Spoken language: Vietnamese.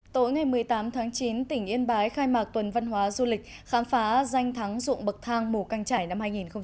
tối ngày một mươi tám tháng chín tỉnh yên bái khai mạc tuần văn hóa du lịch khám phá danh thắng dụng bậc thang mù căng trải năm hai nghìn hai mươi